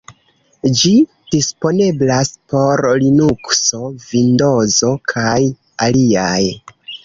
Ĝi disponeblas por Linukso, Vindozo kaj aliaj.